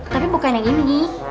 tapi bukannya gini